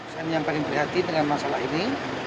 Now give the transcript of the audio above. saya yang paling prihatin dengan masalah ini